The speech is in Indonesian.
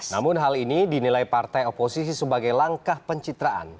namun hal ini dinilai partai oposisi sebagai langkah pencitraan